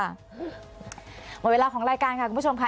หมดเวลาของรายการค่ะคุณผู้ชมค่ะ